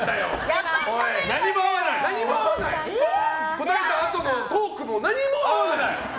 答えたあとのトークも何も合わない。